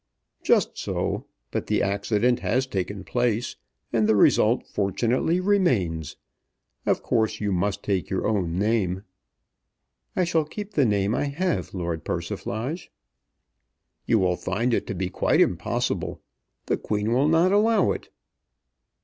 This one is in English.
"Just so. But the accident has taken place, and the result fortunately remains. Of course you must take your own name." "I shall keep the name I have, Lord Persiflage." "You will find it to be quite impossible. The Queen will not allow it."